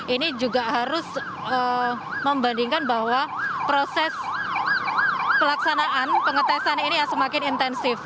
ini juga harus membandingkan bahwa proses pelaksanaan pengetesan ini yang semakin intensif